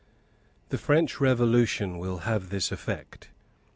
The French Revolution will have this effect.